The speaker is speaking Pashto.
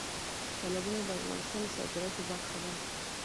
تالابونه د افغانستان د صادراتو برخه ده.